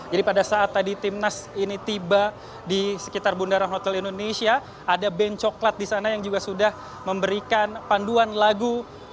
jadi pada saat tadi tim nas ini tiba di sekitar bunda rokodala indonesia ada band coklat di sana yang juga sudah memberikan panduan lagu